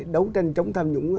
đấu tranh chống tham nhũng